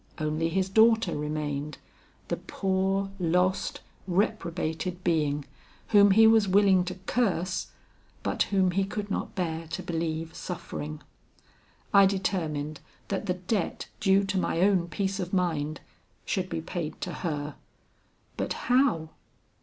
Only his daughter remained, the poor, lost, reprobated being, whom he was willing to curse, but whom he could not bear to believe suffering. I determined that the debt due to my own peace of mind should be paid to her. But how?